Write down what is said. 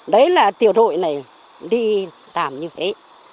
đấy là tiểu đội này đi làm như thế